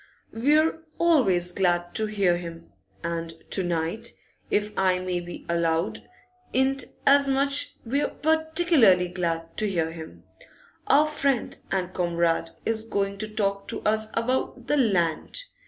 'We're always glad to hear him, and to night, if I may be allowed to 'int as much, we're particularly glad to hear him. Our friend and comrade is going to talk to us about the Land.